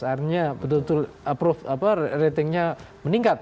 akhirnya betul betul ratingnya meningkat